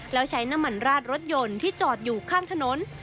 แล้วใช้น้ำมันราดรถยนต์ที่จอดอยู่ข้างถนน